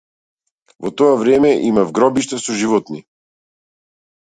Во тоа време имав гробишта со животни.